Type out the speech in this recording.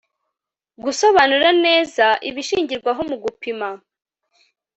gusobanura neza ibishingirwaho mu gupima